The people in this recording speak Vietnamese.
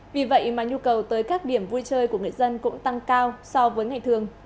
vì vậy mà nhu cầu tới các điểm vui chơi của người dân cũng tăng cao so với ngày thường